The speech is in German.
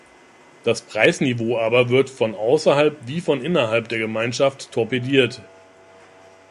Das Preisniveau aber wird von außerhalb wie von innerhalb der Gemeinschaft torpediert.